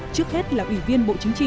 trước hết là ủy viên bộ chính trị